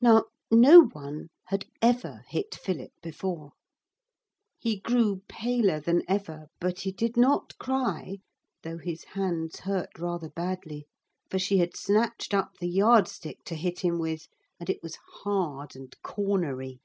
Now, no one had ever hit Philip before. He grew paler than ever, but he did not cry, though his hands hurt rather badly. For she had snatched up the yard stick to hit him with, and it was hard and cornery.